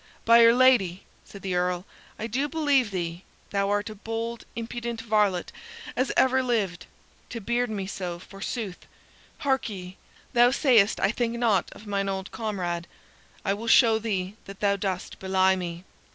"By 'r Lady!" said the Earl, "I do believe thee. Thou art a bold, impudent varlet as ever lived to beard me so, forsooth! Hark'ee; thou sayst I think naught of mine old comrade. I will show thee that thou dost belie me.